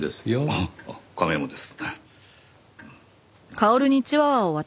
あっ亀山です。